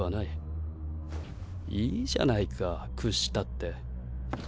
いいじゃないか屈したって。